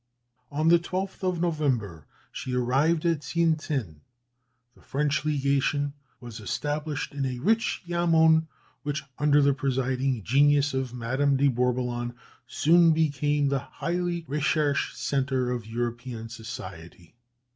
On the 12th of November she arrived at Tien tsin. The French legation was established in a rich yamoun, which, under the presiding genius of Madame de Bourboulon, soon become the highly recherché centre of European society.